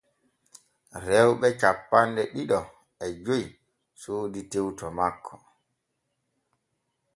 Rewɓe cappanɗe ɗiɗi e joy soodi tew to makko.